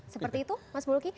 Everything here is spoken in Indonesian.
seperti itu mas mulki